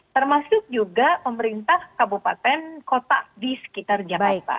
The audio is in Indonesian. termasuk juga pemerintah kabupaten kota di sekitar jakarta